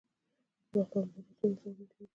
د بغلان بوره څومره تولید لري؟